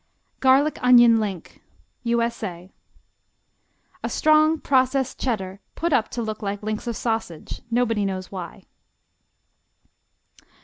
Garlic onion Link U.S.A. A strong processed Cheddar put up to look like links of sausage, nobody knows why.